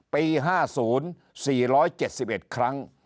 ปี๕๐๔๗๑ครั้ง